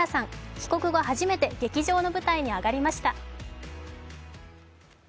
帰国後、初めて劇場の舞台に上がりました。